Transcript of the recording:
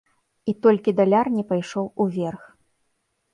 І толькі даляр не пайшоў уверх.